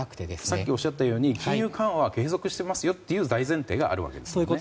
さっきおっしゃったように金融緩和は継続していますよという大前提があるわけですね。